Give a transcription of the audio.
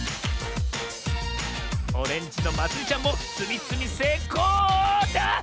オレンジのまつりちゃんもつみつみせいこうあっ